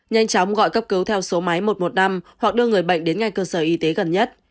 nhanh chóng gọi cấp cứu theo số máy một trăm một mươi năm hoặc đưa người bệnh đến ngay cơ sở y tế gần nhất